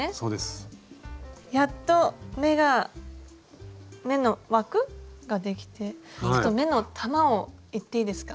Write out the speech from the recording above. やっと目が目の枠？ができてちょっと目の玉をいっていいですか？